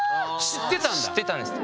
知ってたんです。